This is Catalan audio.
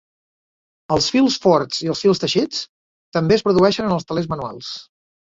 Els fils forts i els fils teixits també es produeixen en els telers manuals.